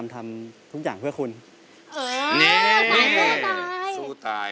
มีตั้งแต่แรกแล้วค่ะ